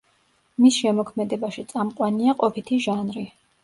მის შემოქმედებაში წამყვანია ყოფითი ჟანრი.